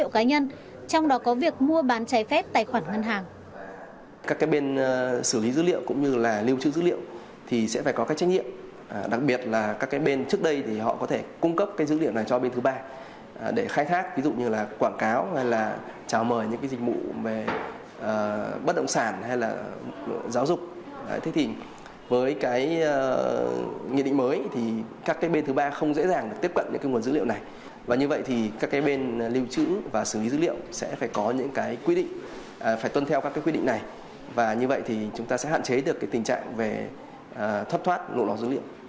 các bên liên quan phạm dữ liệu cá nhân trong đó có việc mua bán trái phép tài khoản ngân hàng